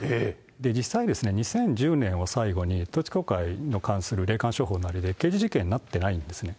実際、２０１０年を最後に、統一教会に関する霊感商法なり、刑事事件になってないんですね。